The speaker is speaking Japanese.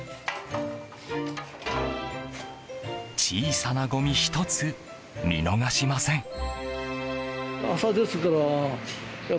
小さなごみ１つ見逃しません。